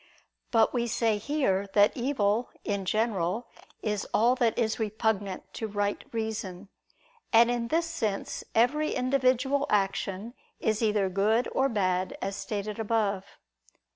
But we say here that evil, in general, is all that is repugnant to right reason. And in this sense every individual action is either good or bad, as stated above.